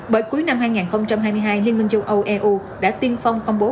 bởi cuối năm hai nghìn hai mươi hai liên minh châu âu eu đã tiên phong công bố